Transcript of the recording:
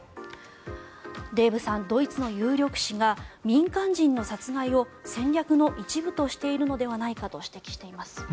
デーブさんドイツの有力紙が民間人の殺害を戦略の一部としているのではないかと指摘しています。